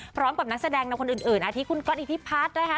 พร้อมกับนักแสดงคนอื่นอาทิตย์คุณก็อดีตที่พาร์ทได้ฮะ